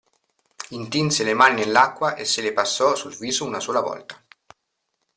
Intinse le mani nell'acqua e se le passò sul viso una sola volta.